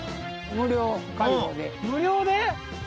無料で？